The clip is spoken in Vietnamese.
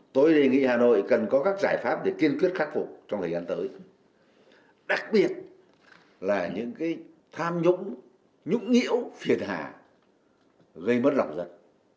tôi đề nghị hà nội cần có các giải pháp để kiên quyết khắc phục trong thời gian tới đặc biệt là những cái tham nhũng nhũng nhiễu phiền hà gây mất lòng dân